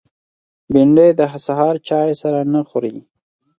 بېنډۍ د سهار چای سره نه خوري